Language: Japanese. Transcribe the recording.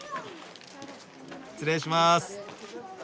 失礼します。